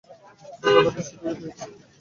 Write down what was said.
সে কথাটি শুধু এই, পেয়েছি।